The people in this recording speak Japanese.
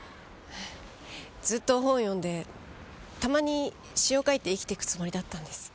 ずっと本を読んでたまに詩を書いて生きてくつもりだったんです。